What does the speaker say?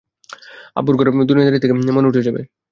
আব্বুর ঘর আর দুনিয়াদারি থেকে মন উঠে যাবে।